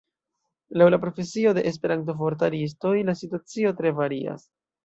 Laŭ la profesio de Esperanto-vortaristoj la situacio tre varias.